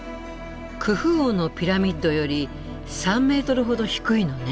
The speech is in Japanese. クフ王のピラミッドより３ｍほど低いのね。